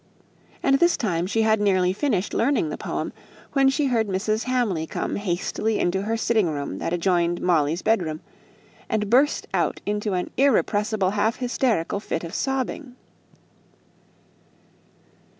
And this time she had nearly finished learning the poem, when she heard Mrs. Hamley come hastily into her sitting room that adjoined Molly's bedroom, and burst out into an irrepressible half hysterical fit of sobbing.